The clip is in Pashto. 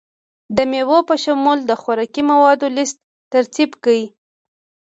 د میوو په شمول د خوراکي موادو لست ترتیب کړئ.